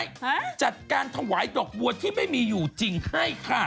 ใช่ค่ะจัดการถวายดอกบัวที่ไม่มีอยู่จริงให้ค่ะ